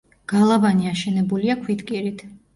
გალავანი აშენებულია ქვითკირით.